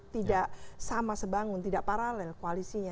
tidak sama sebangun tidak paralel koalisinya